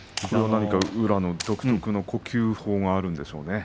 宇良の独特の呼吸法があるんでしょうね。